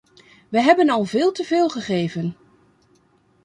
We hebben al veel te veel gegeven.